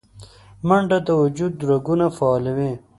منډه د وجود رګونه فعالوي